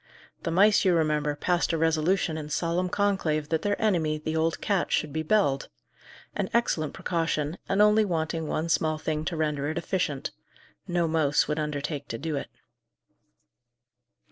The mice, you remember, passed a resolution in solemn conclave that their enemy, the old cat, should be belled: an excellent precaution, and only wanting one small thing to render it efficient no mouse would undertake to do it.